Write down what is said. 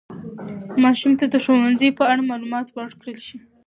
ماشوم ته د ښوونځي په اړه معلومات ورکړل شي.